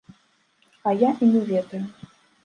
А я й не ведаю.